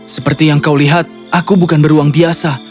seperti yang kau lihat aku bukan beruang biasa